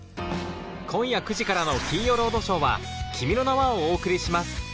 今夜９時からの『金曜ロードショー』は『君の名は。』をお送りします。